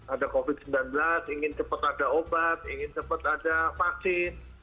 ada covid sembilan belas ingin cepat ada obat ingin cepat ada vaksin